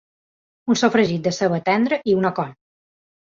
Un sofregit de ceba tendra i una col.